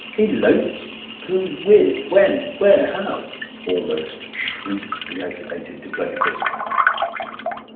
" Eloped ! Who with when where how ?" almost shrieked the agitated diplomatist.